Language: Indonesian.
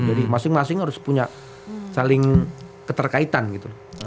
jadi masing masing harus punya saling keterkaitan gitu